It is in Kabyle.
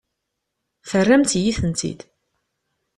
Terramt-iyi-tent-id.